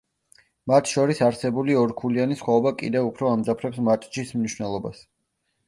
მათ შორის არსებული ორქულიანი სხვაობა კიდევ უფრო ამძაფრებს მატჩის მნიშვნელობას.